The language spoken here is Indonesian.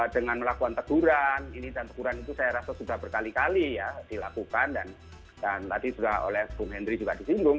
dengan melakukan teguran ini dan teguran itu saya rasa sudah berkali kali ya dilakukan dan tadi sudah oleh bung hendry juga disinggung